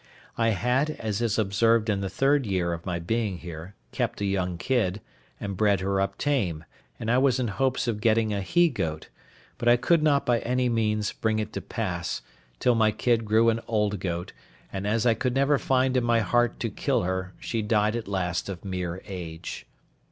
I had, as is observed in the third year of my being here, kept a young kid, and bred her up tame, and I was in hopes of getting a he goat; but I could not by any means bring it to pass, till my kid grew an old goat; and as I could never find in my heart to kill her, she died at last of mere age.